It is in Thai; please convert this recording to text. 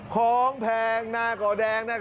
ลองฟังดู